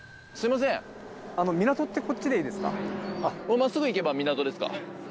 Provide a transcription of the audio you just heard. まっすぐ行けば港ですか？